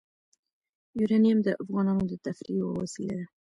یورانیم د افغانانو د تفریح یوه وسیله ده.